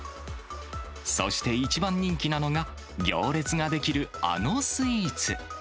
そして一番人気なのが、行列が出来るあのスイーツ。